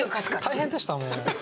大変でしたもう。